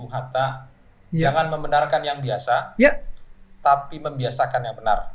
bung hatta jangan membenarkan yang biasa tapi membiasakan yang benar